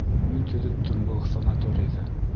Мин төҙөттөм был санаторийҙы!